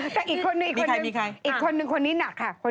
แต่อีกคนนึงอีกคนนึงคนนี้หนักค่ะมีใครมีใคร